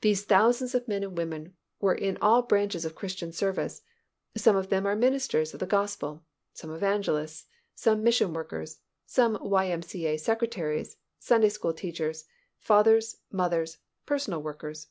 These thousands of men and women were in all branches of Christian service; some of them are ministers of the Gospel, some evangelists, some mission workers, some Y. M. C. A. secretaries, Sunday school teachers, fathers, mothers, personal workers.